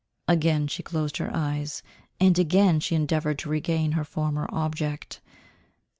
Again she closed her eyes, and again she endeavoured to regain her former object.